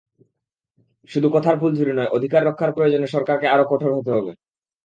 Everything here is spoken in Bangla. শুধু কথার ফুলঝুরি নয়, অধিকার রক্ষায় প্রয়োজনে সরকারকে আরও কঠোর হতে হবে।